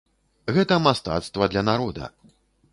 Гэта мастацтва для народа.